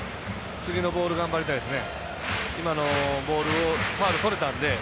次のボール頑張りたいですね。